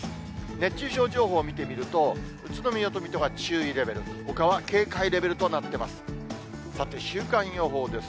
熱中症情報見てみると、宇都宮と水戸が注意レベル、ほかは警戒レベルとなってます。